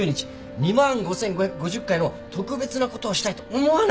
２万 ５，５５０ 回の特別なことをしたいと思わないのか？